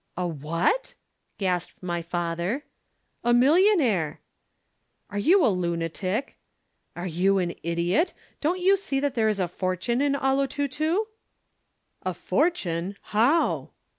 "'"A what?" gasped my father. "'"A millionaire!" "'"Are you a lunatic?" "'"Are you an idiot? Don't you see that there is a fortune in 'Olotutu'?" "'"A fortune! How?"